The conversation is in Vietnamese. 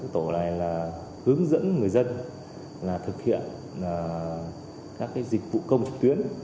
tổ này là hướng dẫn người dân thực hiện các dịch vụ công trực tuyến